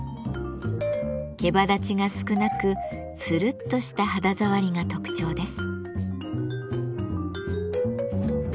けばだちが少なくツルッとした肌触りが特徴です。